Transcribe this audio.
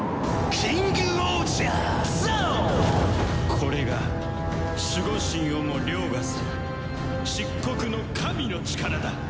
これが守護神をも凌駕する漆黒の神の力だ！